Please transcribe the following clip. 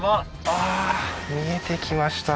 あー見えてきました